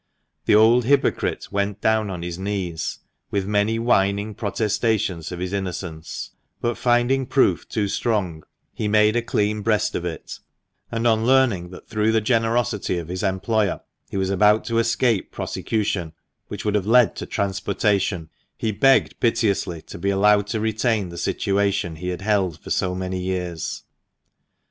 That old hypocrite went down on his knees with many whining protestations of his innocence; but, finding proof too strong, he made a clean breast of it, and on learning that, JOSEPH NADIN From a Print in the Chetha.ui Library. THE MANCHESTER MAN. 165 through the generosity of his employer, he was about to escape prosecution, which would have led to transportation, he begged piteously to be allowed to retain the situation he had held for so many years.